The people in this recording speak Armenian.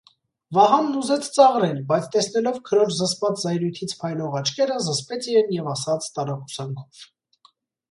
Վահանն ուզեց ծաղրել, բայց, տեսնելով քրոջ զսպած զայրույթից փայլող աչքերը, զսպեց իրեն և ասաց տարակուսանքով.